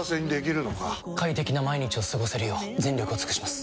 快適な毎日を過ごせるよう全力を尽くします！